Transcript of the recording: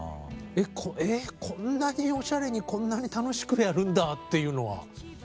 こんなにおしゃれにこんなに楽しくやるんだっていうのは。